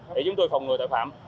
để chúng tôi phòng ngừa tội phạm